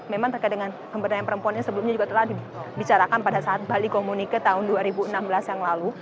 memang terkait dengan pemberdayaan perempuan yang sebelumnya juga telah dibicarakan pada saat bali komunikasi tahun dua ribu enam belas yang lalu